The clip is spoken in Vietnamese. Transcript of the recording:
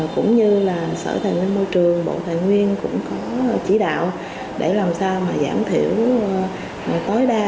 cũng như là sở tài nguyên môi trường bộ tài nguyên cũng có chỉ đạo để làm sao mà giảm thiểu tối đa